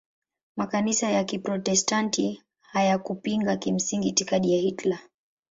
Makanisa ya Kiprotestanti hayakupinga kimsingi itikadi ya Hitler.